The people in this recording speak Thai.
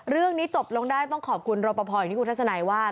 เรื่องนี้จบลงได้ต้องขอบคุณรปภอย่างที่คุณทัศนัยว่า